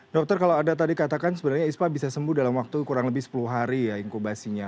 dokter kalau anda tadi katakan sebenarnya ispa bisa sembuh dalam waktu kurang lebih sepuluh hari ya inkubasinya